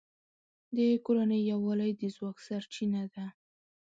د کورنۍ یووالی د ځواک سرچینه ده.